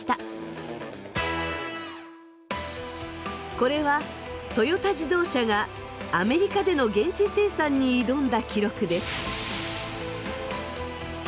これはトヨタ自動車がアメリカでの現地生産に挑んだ記録です。